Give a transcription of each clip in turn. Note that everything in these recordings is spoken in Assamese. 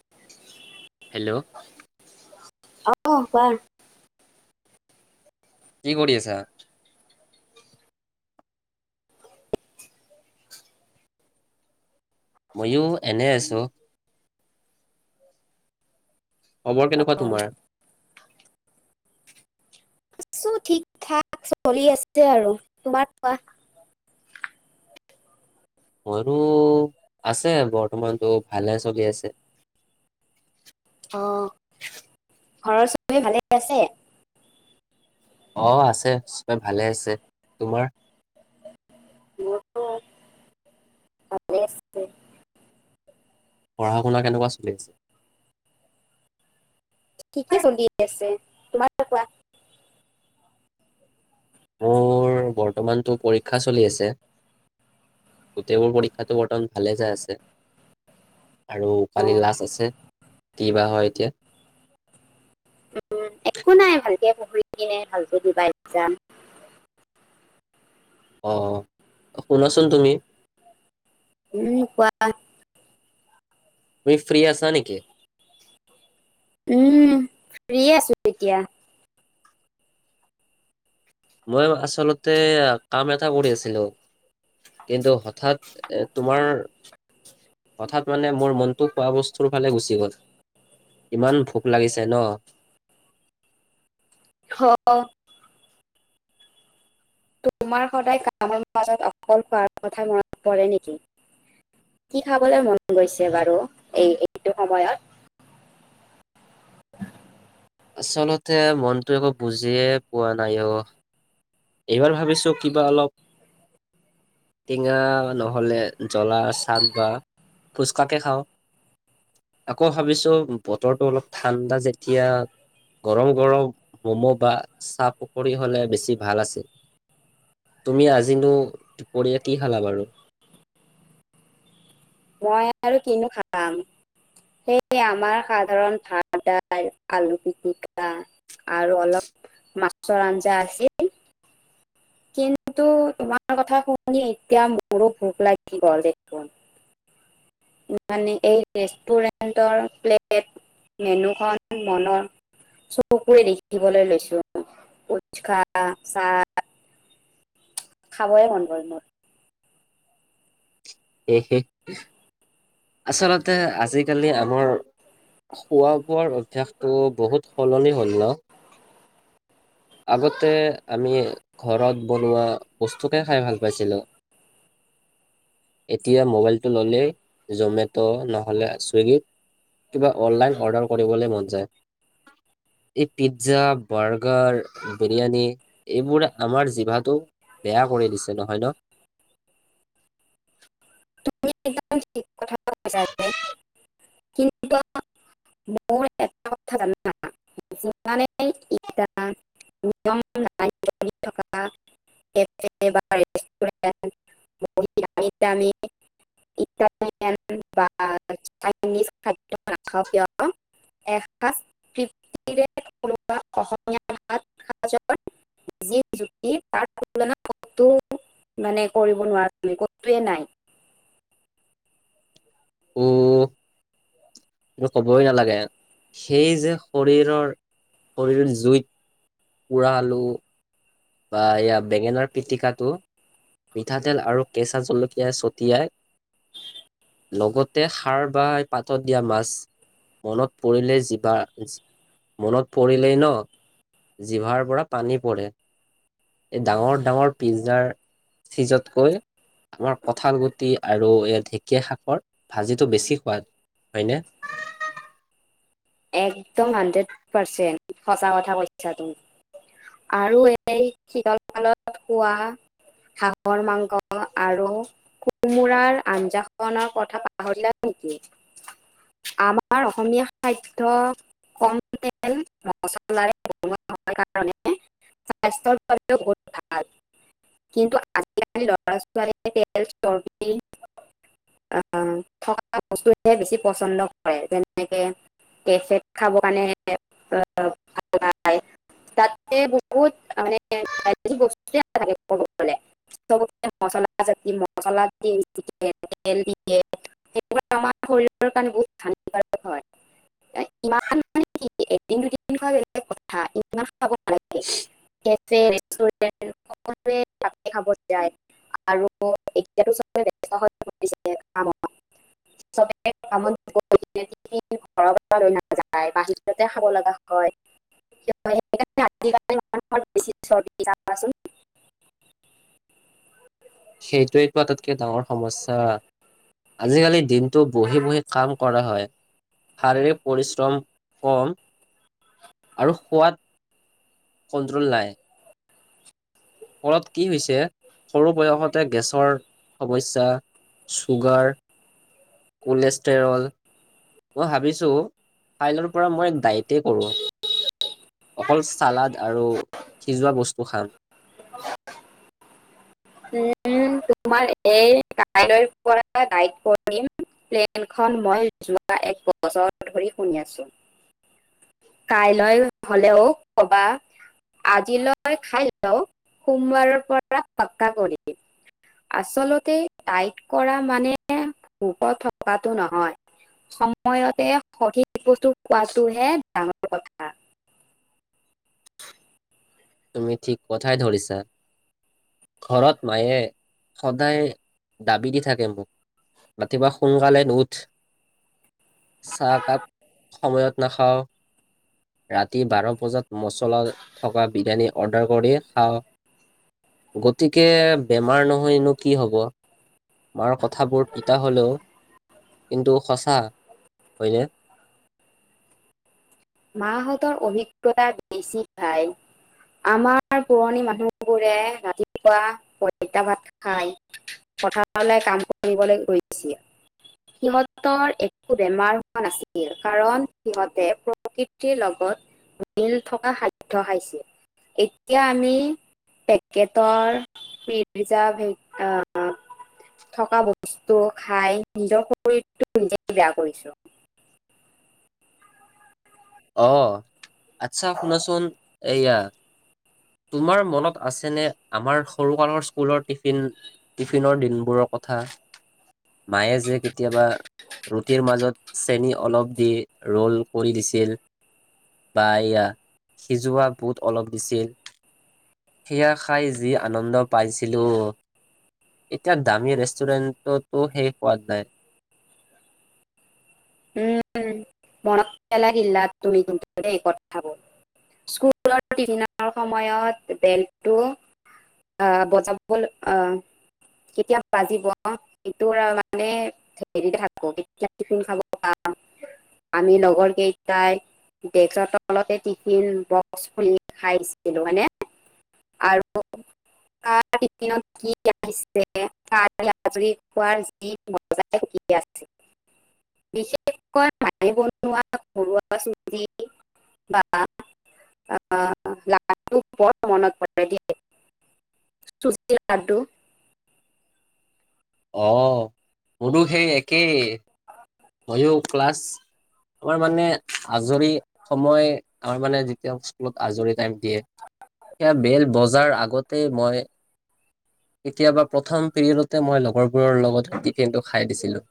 হয় [unintelligible] হেল্ল', অ কোৱা? কি কৰি আছা? ময়ো এনে আছো। খবৰ কেনেকুৱা তোমাৰ? আছো থাক চলি আছে আৰু তোমাৰ কোৱা? মোৰো আছে বৰ্তমানতো ভালে চলি আছে। অ, ঘৰৰ চবেই ভালে আছে? অহ আছে চবে ভালে আছে। তোমাৰ? মোৰো ভালে আছে। পঢ়া-শুনা কেনেকুৱা চলি আছে। ঠিকে চলি আছে তোমাৰ কোৱা? মোৰ বৰ্তমানতটো পৰীক্ষা চলি আছে। গোটেইবোৰ পৰীক্ষাতটো বৰ্তমান ভালে যাই আছে আৰু অ কালি লাষ্ট আছে কি বা হয় এতিয়া? উম, একো নাই ভালকে পঢ়ি কিনে ভালকে দিবা এক্সাম। অ' শুনাচোন তুমি? উম, কোৱা? তুমি ফ্ৰী আছা নেকি? উম ফ্ৰে আছো এতিয়া। মই আচলতে কাম এটা কৰি আছিলো কিন্তু হঠাৎ এ তোমাৰ হঠাৎ মানে মোৰ মনটো খোৱা বস্তুৰ ফালে গুচি গ'ল ইমান ভোক লাগিছে ন। অহ, তোমাৰ সদায় কামৰ মাজত অকল খোৱাৰ কথা মনত পৰে নেকি কি খাবলে মন গৈছে বাৰু এই এইটো সময়ত আচলতে মনটো একো বুজিয়ে পোৱা নাই অ এইবাৰ ভাবিছোঁ কিবা অলপ টেঙা নহ'লে জলা চাদ বা ফুচকাকে খাওঁ আকৌ ভাবিছোঁ বতৰটো অলপ ঠাণ্ডা যেতিয়া গৰম গৰম ম'ম' বা চাহ পকৰী হ'লে বেছি ভাল আছিল তুমি আজিনো দুপৰীয়া কি খালা বাৰু মই আৰু কিনো খাম সে আমাৰ সাধাৰণ ভাত দাইল আলু পিটিকা আৰু অলপ মাছৰ আঞ্জা আছিল কিন্তু তোমাৰ কথা শুনি এতিয়া মোৰো ভোক লাগি গ'ল দেখোন মানে এই ৰেষ্টুৰেণ্টৰ প্লেট মেনুখন মনৰ চকুৰে দেখিবলে লৈছো ফুচকা চাহ খাবয়ে মন গ'ল মোৰ এহে আচলতে আজিকালি আমাৰ খোৱা বোৱাৰ অভ্যাসটো বহুত সলনি হ'ল ন আগতে আমি ঘৰত বনোৱা বস্তুকে খাই ভাল পাইছিলোঁ এতিয়া মোবাইলটো ল'লেই জ'মেটো' নহ'লে ছুইগিত কিবা অনলাইন অৰ্ডাৰ কৰিবলে মন যায় এই পিজ্জা বাৰ্গাৰ বিৰিয়ানী এইবোৰে আমাৰ জিভাটো বেয়া কৰি দিছে নহয় ন তুমি একদম ঠিক কথা কৈছা কিন্তু মোৰ এটা কথা জানা যিমানেই পি [unintelligible] বাৰে মি ইটালিয়ান বা চাইজ খাদ্য নাক কিয় এৃিৰে কোনোব অসমীয়া সৰ যক্তি তাৰ তুল কো মানে কৰিব নোৱাৰাৰে [unintelligible] কতোৱেই নাই অ ক'বই নেলাগে সেই যে শৰীৰৰ শৰীৰৰ জুইত উৰালোঁ বা এয়া বেঙেনাৰ পিটিকাটো মিঠাতেল আৰু কেঁচা জলকীয়া ছটিয়াই লগতে খাৰ বা পাতত দিয়া মাছ মনত পৰিলেই জিভা মনত পৰিলেই ন জিভাৰ পৰা পানী পৰে এই ডাঙৰ ডাঙৰ পিজ্জাৰ চিজতকৈ আমাৰ কঁঠাল গুটি আৰু এই ঢেঁকীয়া শাকৰ ভাজিটো বেছি সোৱাদ হয়নে একদম হাণ্ড্ৰেড পাৰ্চেণ্ট সঁচা কথা কৈছা তুমি আৰু এই শীতল কালত খোৱা হাঁহৰ মাংস আৰু কোমোৰাৰ আঞ্জাখনৰ কথা পাহৰিলা নেকি আমাৰ অসমীয়া খাদ্য কম তেল মচলাৰে কাৰণে স্বাস্থ্যৰ বাবে বহুত ভাল কিন্তু আজিকালি ল'ৰা ছোৱালীয়ে তেল চৰ্বি আ থকা বস্তুহে বেছি পছন্দ কৰে যেনেকে কে খাব কাৰণে তাতে [unintelligible] বহুত মানে বস্তু মচলা জ [unintelligible] মচলা তেল দিয়ে সক আমাৰ শৰীৰৰ কাৰণে বহুত হানিকাৰক হয় ইমান মানে কি এদিন দুদিন খালে বেলেগ কথা ইমান খাব নালাগে সকলোৱে ত খাব যায় আৰু এতিয়াতো হৈ পৰি যবে কত ঘৰৰ লৈ নাযায় বাহিৰতে খাব লগা হয় [unintelligible] জালে চৰ্দিচোন সেইটোৱে টো আটাইতকৈ ডাঙৰ সমস্যা আজিকালি দিনটো বহি বহি কাম কৰা হয় শাৰীৰিক পৰিশ্ৰম কম আৰু খোৱাত কণ্ট্ৰল নাই ফলত কি হৈছে সৰু বয়সতে গেছৰ সমস্যা চুগাৰ কলেষ্টৰল মই ভাবিছোঁ কাইলৈৰ পৰা মই ডাইট কৰোঁ অকল চালাড আৰু সিজোৱা বস্তু খাম অ উ তোমাৰ এই কাইলৈৰ পৰা দাইড কৰিম প্লেনখন মই যোৱা এক বছৰ ধৰি শুনি আছোঁ কাইলৈ হ'লেও কবা আজিলৈ খাই লওঁ সোমবাৰৰ পৰা আচলতে দাইট কৰা মানে ভোকত থকাটো নহয় সময়তে সঠিক বস্তু খোৱাটোহে ডাঙৰ কথা [inaudible] তুমি ঠিক কথাই ধৰিছা ঘৰত মায়ে সদায় দাবি দি থাকে মোক ৰাতিপুৱা সোনকালে উঠ চাহকাপ সময়ত নাখাওঁ থকা বিৰিয়ানী অৰ্ডাৰ কৰি খাওঁ গতিকে বেমাৰ নহয়নো কি হব মাৰ কথাবোৰ তিতা হ'লেও কিন্তু সঁচা হয়নে মাহঁতৰ অভিজ্ঞতা বেছি ভাই আমাৰ পুৰণি মানুহবোৰে ৰাতিপুৱা পইতা ভাত খাই পথাৰলে কাম কৰিবলে গৈছিল সিহঁতৰ একো বেমাৰ হোৱা নাছিল কাৰণ সিহঁতে প্ৰকৃতিৰ লগত মিল থকা খাদ্য খাইছিল এতিয়া আমি পেকেটৰ পিজজা আহ থকা বস্তু খাই নিজৰ শৰীৰটো নিজে বেয়া কৰিছোঁ অ আচ্ছা শুনাচোন এয়া তোমাৰ মনত আছেনে আমাৰ সৰুকালৰ স্কুলৰ টিফিন টিফিনৰ দিনবোৰৰ কথা মায়ে যে কেতিয়াবা ৰুটিৰ মাজত চেনি অলপ দি ৰ'ল কৰি দিছিল বা এয়া সিজোৱা বুট অলপ দিছিল সেয়া খাই যি আনন্দ পাইছিলো এতিয়া দামী ৰেষ্টুৰেণ্টতো সেই সোৱাদ নায় উম মনত পেলাই দিলা তুমি কিন্তু স্কুলৰ দিনৰ সময়ত বেলটো আহ বজাব আহ কেতিয়া বাজিব সেইটো মানে হে থাকো কেতিয়া টিফিন খাব আমি লগৰ কেইটাই ডে্ তলতে টিফিন বক্স খুলি খাইছিলো হয়নে আৰু আজুৰি আজুৰি খোৱাৰ যি মজাই বিশেষকৈ মায়ে বনোৱা ঘৰুৱা চবজি বা আহ লাডু বৰ মনত পৰে দেই চুজিৰ লাড্ডু অ মোৰো সেই একেই ময়ো ক্লাছ আমাৰ মানে আজৰি সময় আমাৰ মানে যেতিয়া স্কুলত আজৰি টাইম দিয়ে সেয়া বেল বজাৰ আগতেই মই কেতিয়াবা প্ৰথম পিৰিয়ডতে মই লগৰবোৰৰ লগত টিফিনটো খাই দিছিলোঁ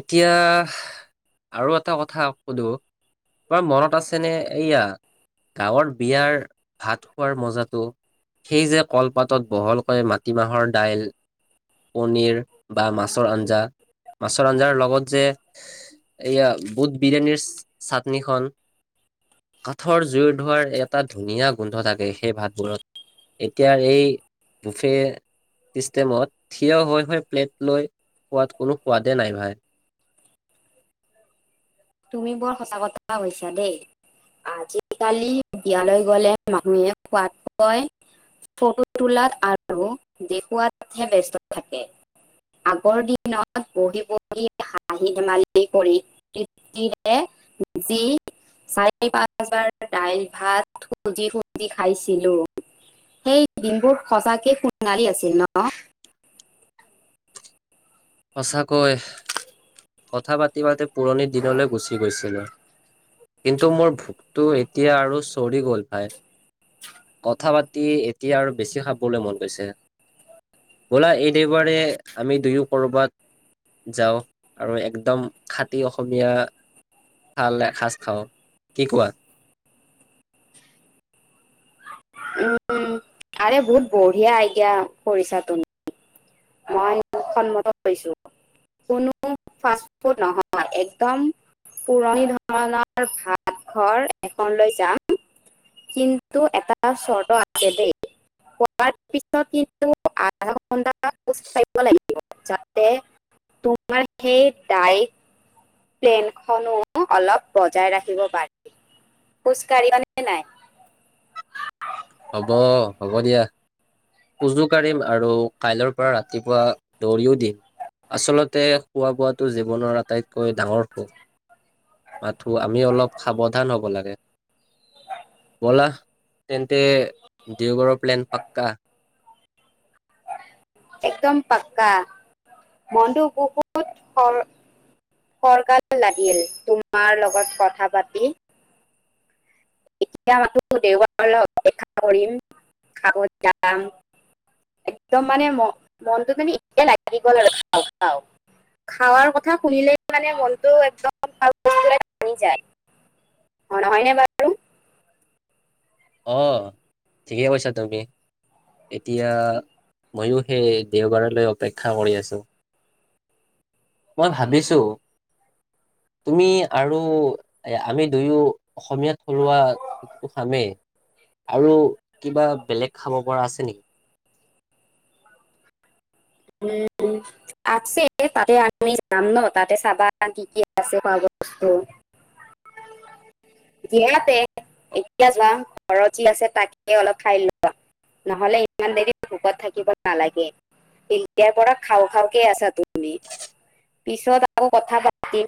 এতিয়া আৰু এটা কথা সুধো তোমাৰ মনত আছেনে। এয়া, গাঁৱৰ বিয়াৰ ভাত খোৱাৰ মজাটো। সেই যে, কলপাতত বহলকৈ মাটিমাহৰ দাইল, পনীৰ বা মাছৰ আঞ্জা মাছৰ আঞ্জাৰ লগত যে, এয়া, বুট বিৰিয়ানীৰ চাটনিখন। কাঠৰ জুইৰ ধোঁৱাৰ এটা ধুনীয়া গোন্ধ থাকে। সেই, ভাতবোৰত এতিয়া এই বুফে চিষ্টেমত থিয় হৈ হৈ প্লেট লৈ সোৱাদ কোনো সোৱাদে নাই, ভাই! তুমি বৰ সঁচা কথা কৈছা দেই। আজিকালি বিয়ালৈ গ'লে মানুহে খোৱাতকৈ ফটো তোলাত আৰু দেখুৱাতহে ব্যস্ত থাকে। আগৰ দিনত বহি বহি হাঁহি ধেমালি কৰি যি চাৰি পাঁচবাৰ দাইল ভাত খুজি খুজি খাইছিলোঁ। সেই দিনবোৰ সচাঁকে সণালী আছিল ন'। সঁচাকৈ কথা পাতি পাতি পুৰণি দিনলৈ গুচি গৈছিলোঁ। কিন্তু, মোৰ ভোকটো এতিয়া আৰু চৰি গ'ল ভাই, কথা পাতি এতিয়া আৰু বেছি খাবলৈ মন গৈছে। বোলা এই দেওবাৰে আমি দুয়ো কৰ'বাত যাওঁ আৰু একদম খতি অসমীয়া ভাল এসাজ খাওঁ। কি কোৱা? আৰে বহুত বঢ়িয়া আইদিয়া কৰিছা তুমি। মই সন্মত হৈছোঁ। কোনো ফাষ্ট ফুড নহয়, একদম পুৰণি ধৰণৰ ভাত ঘৰ এখন লৈ যাম। কিন্তু, এটা চৰ্ত আছে দেই, খোৱাৰ পিছত কিন্তু আধা ঘন্টা লাগিব যাতে তোমাৰ সেই দাই প্লেনখনো অলপ বজাই ৰাখিব পাৰি। খোজ কাঢ়িবানে নাই? হ'ব, হ'ব দিয়া। খোজো কাঢ়িম আৰু কাইলৈৰ পৰা ৰাতিপুৱা দৌৰিও দিম। আচলতে, খোৱা বোৱাটো জীৱনৰ আটাইতকৈ ডাঙৰ সুখ। মাথো আমি অলপ সাৱধান হ'ব লাগে ব'লা। [unintelligible] দেওবাৰৰ প্লেন পাক্কা। একদম পাক্কা। মনটো বহুত ফৰকাল লাগিল তোমাৰ লগত কথা পাতি। এতিয়া মাথোঁ দেওবাৰলৈ অপেক্ষা কৰিম। খাব যাম। একদম মানে, মনটো মানে এতিয়া লাগি গ'ল আৰু খা খা খাৱাৰ কথা শুনিলে মানে, মনটো একদম ভাঙি যায়। অ' নহয়নে বাৰু? অ' ঠিকেই কৈছা তুমি। এতিয়া ময়ো, সেই দেওবাৰলৈ অপেক্ষা কৰি আছোঁ। মই ভাবিছোঁ, তুমি আৰু আমি দুয়ো অসমীয়া থলুৱা খামেই। আৰু কিবা বেলেগ খাব পৰা আছে নেকি? উম, আছে। তাতে আমি যাম ন' তাতে চাবা কি কি আছে খোৱা। বহুতে এতিয়া যোৱা ঘৰত যি আছে, তাকে অলপ খাই লোৱা নহ'লে ইমান দেৰি ভোকত থাকিব নালাগে। ইয়াৰ পৰা খাওঁ খাওঁকে আছা তুমি? পিছত আকৌ কথা পাতিম।